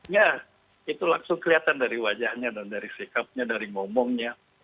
ya itu langsung kelihatan dari wajahnya dari sikapnya dari ngomongnya